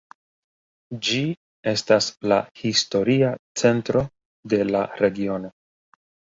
Ĝi estas la historia centro de la regiono.